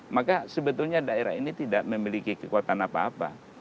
maka sebetulnya daerah ini tidak memiliki kekuatan apa apa